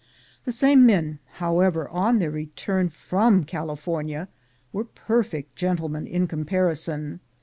The same men, however, on their return from California, were perfect gentlemen in comparison.